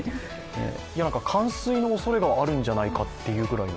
冠水のおそれがあるんじゃないかというくらいの。